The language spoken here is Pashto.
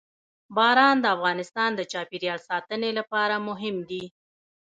باران د افغانستان د چاپیریال ساتنې لپاره مهم دي.